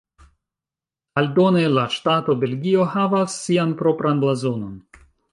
Aldone la ŝtato Belgio havas sian propran blazonon.